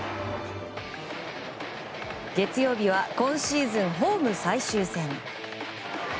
月曜日は今シーズンホーム最終戦。